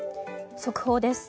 速報です。